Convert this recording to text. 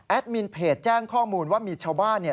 แอดมินเพจแจ้งข้อมูลว่ามีชาวบ้าน